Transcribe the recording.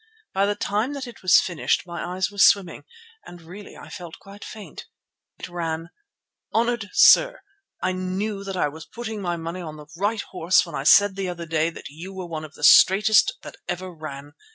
By the time that it was finished my eyes were swimming and really I felt quite faint. It ran: "HONOURED SIR,—I knew that I was putting my money on the right horse when I said the other day that you were one of the straightest that ever ran.